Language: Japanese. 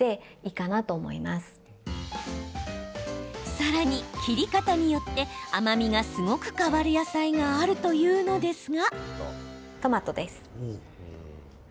さらに、切り方によって甘みがすごく変わる野菜があるというのですが。